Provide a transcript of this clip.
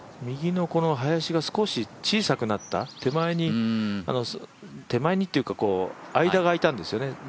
右の林が少し小さくなった手前にっていうか間があいたんですよね。